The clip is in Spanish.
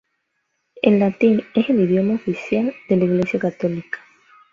El latín es el idioma oficial de la Iglesia católica.